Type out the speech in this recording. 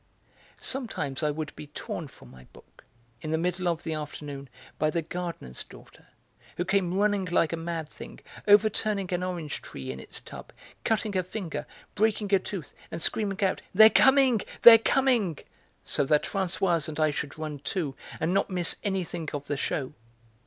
Sometimes I would be torn from my book, in the middle of the afternoon, by the gardener's daughter, who came running like a mad thing, overturning an orange tree in its tub, cutting a finger, breaking a tooth, and screaming out "They're coming, they're coming!" so that Françoise and I should run too and not miss anything of the show.